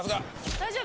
大丈夫？